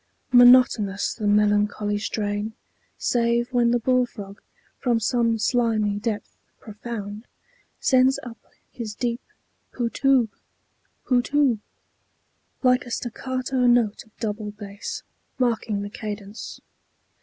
Monotonous the melancholy strain, Save when the bull frog, from some slimy depth Profound, sends up his deep "Poo toob!" "Poo toob!" Like a staccato note of double bass Marking the cadence.